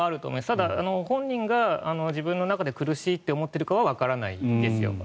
ただ、本人が自分の中で苦しいと思っているかはわからないです。